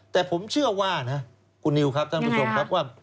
แต่ผมเชื่อว่านะคุณนิวครับท่านผู้ชมครับว่า